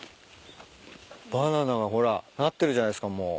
バナナがほらなってるじゃないっすかもう。